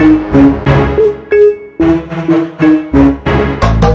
allah di earth maksima